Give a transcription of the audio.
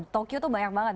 di tokyo tuh banyak banget